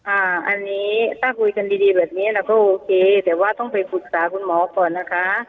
อันนี้ถ้าคุยกันดีดีแบบนี้เราก็โอเคแต่ว่าต้องไปปรึกษาคุณหมอก่อนนะคะ